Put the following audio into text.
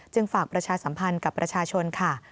ฝากประชาสัมพันธ์กับประชาชนค่ะ